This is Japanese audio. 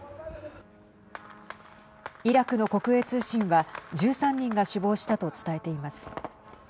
イラクの国営通信は１３人が死亡したと伝えています。